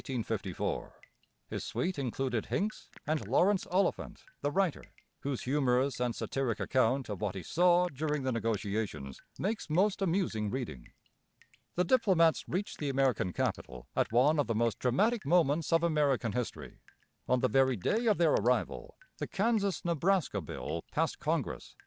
His suite included Hincks and Laurence Oliphant, the writer, whose humorous and satiric account of what he saw during the negotiations makes most amusing reading. The diplomats reached the American capital at one of the most dramatic moments of American history. On the very day of their arrival the Kansas Nebraska Bill passed Congress.